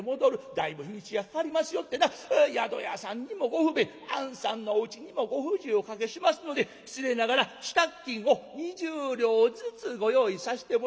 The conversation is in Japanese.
だいぶ日にちがかかりますよってな宿屋さんにもご不便あんさんのおうちにもご不自由をおかけしますので失礼ながら支度金を２０両ずつご用意さしてもらいます。